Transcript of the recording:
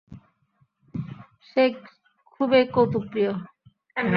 সে খুবই কৌতুকপ্রিয়।